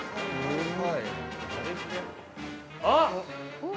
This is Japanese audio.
◆すごい。